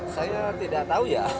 saya tidak tahu ya